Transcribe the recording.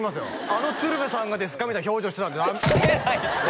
「あの鶴瓶さんがですか？」みたいな表情してたんでしてないっすよ